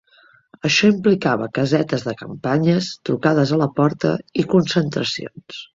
Això implicava casetes de campanyes, trucades a la porta i concentracions.